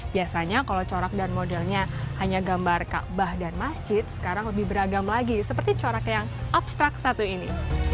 biasanya kalau corak dan modelnya hanya gambar ⁇ kabah ⁇ dan masjid sekarang lebih beragam lagi seperti corak yang abstrak satu ini